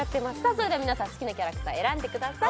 それでは皆さん好きなキャラクター選んでください